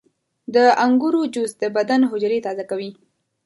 • د انګورو جوس د بدن حجرې تازه کوي.